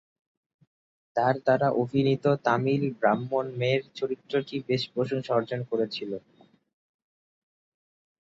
তার দ্বারা অভিনীত তামিল ব্রাহ্মণ মেয়ের চরিত্রটি বেশ প্রশংসা অর্জন করেছিলেন।